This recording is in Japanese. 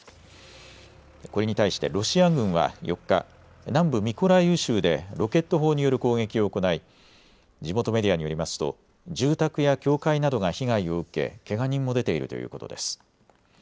これに対してロシア軍は４日、南部ミコライウ州でロケット砲による攻撃を行い地元メディアによりますと住宅や教会などが被害を受けけが人も出ているということです。